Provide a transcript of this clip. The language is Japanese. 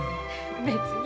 別に。